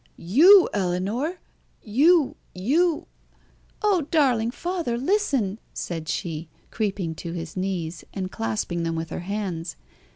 "You, Ellinor! You you " "Oh, darling father, listen!" said she, creeping to his knees, and clasping them with her hands.